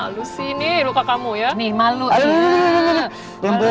itu sangat baik dari mama